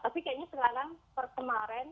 tapi kayaknya sekarang perkemarin